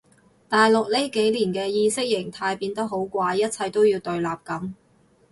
大陸呢幾年嘅意識形態變得好怪一切都要對立噉